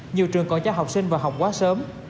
nhiều trường còn cho học sinh vào học quá sớm